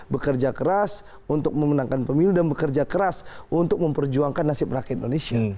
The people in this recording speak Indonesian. bekerja keras untuk memenangkan pemilu dan bekerja keras untuk memperjuangkan nasib rakyat indonesia